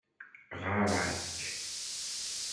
Ɣarak